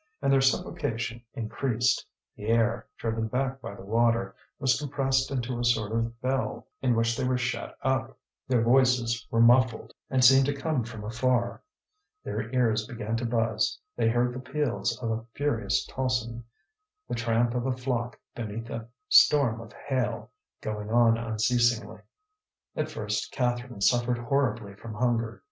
And their suffocation increased; the air, driven back by the water, was compressed into a sort of bell in which they were shut up. Their voices were muffled, and seemed to come from afar. Their ears began to buzz, they heard the peals of a furious tocsin, the tramp of a flock beneath a storm of hail, going on unceasingly. At first Catherine suffered horribly from hunger.